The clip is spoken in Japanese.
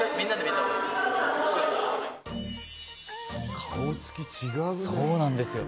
顔つき違うね。